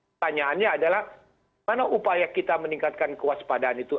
pertanyaannya adalah mana upaya kita meningkatkan kewaspadaan itu